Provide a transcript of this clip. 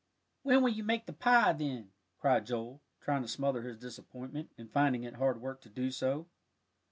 "When will you make the pie, then?" cried Joel, trying to smother his disappointment, and finding it hard work to do so.